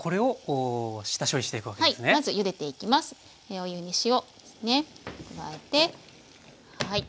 お湯に塩ですね加えてはい。